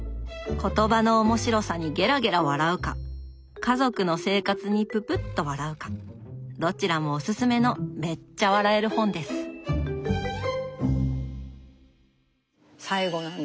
言葉の面白さにゲラゲラ笑うか家族の生活にププッと笑うかどちらもおすすめのめっちゃ笑える本です。